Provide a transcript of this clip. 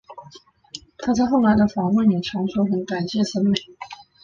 她在后来的访问也常说很感谢森美。